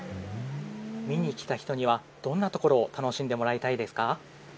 見に来た人にはどんなところを楽しんでもらいたいですか。